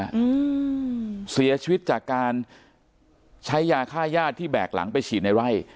อืมเสียชีวิตจากการใช้ยาฆ่าญาติที่แบกหลังไปฉีดในไร่